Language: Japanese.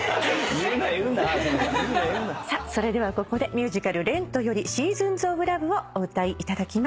さあそれではここでミュージカル『ＲＥＮＴ』より『ＳｅａｓｏｎｓＯｆＬｏｖｅ』をお歌いいただきます。